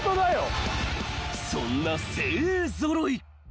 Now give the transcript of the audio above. ［そんな精鋭揃い］